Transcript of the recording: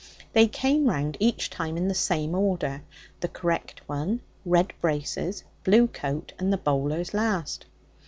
They came round each time in the same order the correct one, red braces, blue coat, and the bowlers last.